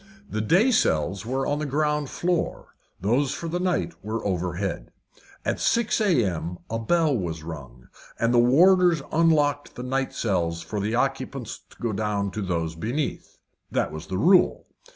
The day cells were on the ground floor, those for the night were overhead. At six a.m. a bell was rung, and the warders unlocked the night cells for the occupants to go down to those beneath. That was the rule.